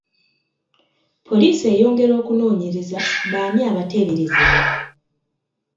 Poliisi eyongera okunonyereza b'ani abateeberezebwa.